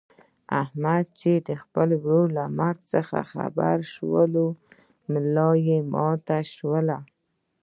احمد چې د خپل ورور له مرګ څخه خبر شولو ملایې ماته شوله.